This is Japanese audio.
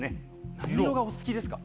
何色がお好きですか？